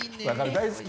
大好き。